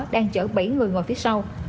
đang chở bảy người ngồi phía sau